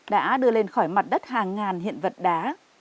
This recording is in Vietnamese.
đã đưa lên khỏi mặt đất hàng ngàn hiện vật đá